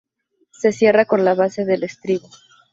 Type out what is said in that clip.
Se cierra con la base del estribo.